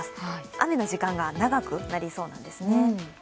雨の時間が長くなりそうなんですね。